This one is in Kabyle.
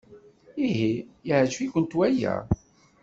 Ihi yeɛjeb-ikent waya?